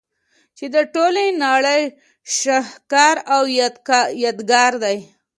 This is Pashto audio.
چي د ټولي نړۍ شهکار او يادګار دئ.